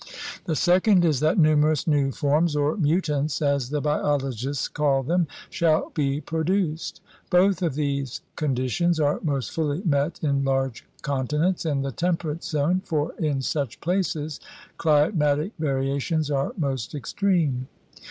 The second is that numerous new forms or mutants, as the biologists call them, shall be pro duced. Both of these conditions are most fully met in large continents in the temperate zone, for in such places climatic variations are most extreme.